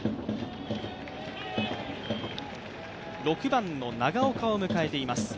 ６番の長岡を迎えています。